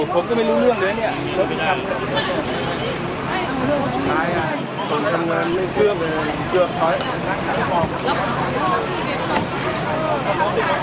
ผมก็ไม่รู้เรื่องเลยเนี่ย